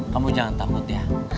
kamu jangan takut ya